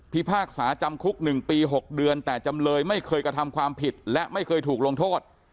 พากษาจำคุก๑ปี๖เดือนแต่จำเลยไม่เคยกระทำความผิดและไม่เคยถูกลงโทษ